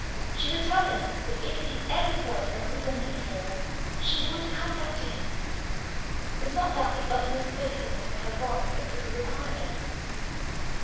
She would tell him that if he ever felt a real need of her, she would come back to him. Was not that the utmost faithfulness to her bond that could be required of her?